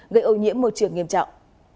gây ồn nhiễm môi trường nghiêm trọng